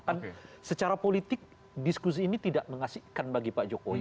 kan secara politik diskusi ini tidak mengasihkan bagi pak jokowi